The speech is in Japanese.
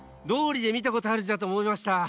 どうりでみたことあるじだとおもいました。